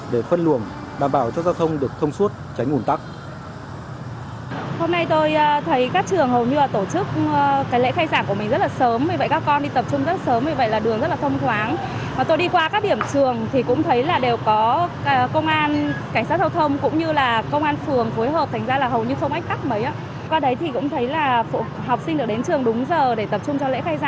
để phân luồng đảm bảo cho giao thông được thông suốt tránh ủng tắc